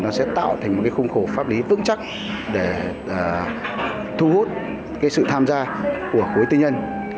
nó sẽ tạo thành một khung khổ pháp lý tương chắc để thu hút sự tham gia của khối tư nhân